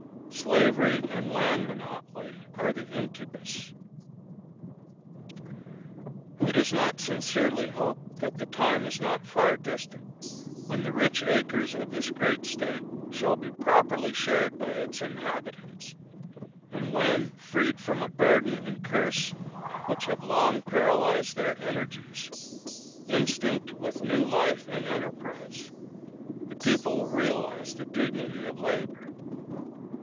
Slavery and land monopoly are the incubus. Who does not sincerely hope that the time is not far distant, when the rich acres of this great State shall be properly shared by its inhabitants, and when, freed from a burden and curse which have long paralyzed their energies, instinct with new life and enterprise, the people will realize the dignity of labor?